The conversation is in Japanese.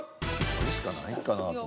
これしかないかなと。